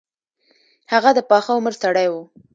هغه د پاخه عمر سړی وو.